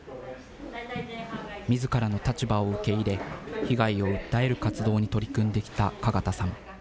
みずからの立場を受け入れ、被害を訴える活動に取り組んできた加賀田さん。